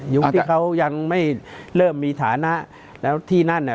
ยุคที่เขายังไม่เริ่มมีฐานะแล้วที่นั่นอ่ะ